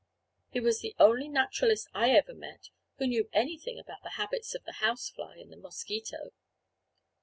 He was the only naturalist I ever met who knew anything about the habits of the house fly and the mosquito.